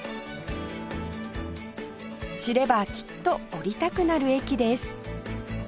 知ればきっと降りたくなる駅です